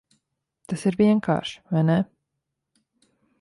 Tas ir vienkārši, vai ne?